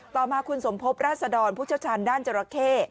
ต่อมาคุณสมพบราษดรผู้เชี่ยวชาญด้านจราเข้